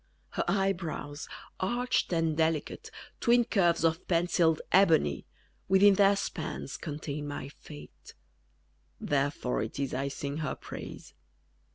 _ Her eyebrows, arched and delicate, Twin curves of pencilled ebony, Within their spans contain my fate: _Therefore it is I sing her praise.